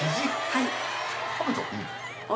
はい。